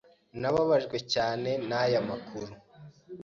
Nababajwe cyane naya makuru.